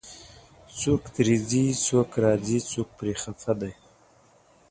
څوک ترې ځي، څوک راځي، څوک پرې خفه دی